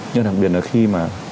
nhưng đặc biệt là khi mà